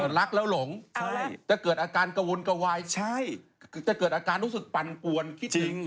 หลักแล้วหลงจะเกิดอาการกะวุ่นกะวายจะเกิดอาการรู้สึกปั่นกวนคิดถึง